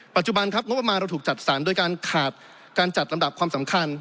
ปัจจุบันครับงบประมาณเราถูกจัดสรรโดยการขาดการจัดลำดับความสำคัญ